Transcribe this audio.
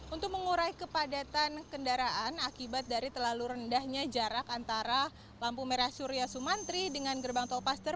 untuk mengurai kepadatan kendaraan akibat dari terlalu rendahnya jarak antara lampu merah surya sumantri dengan gerbang tol paster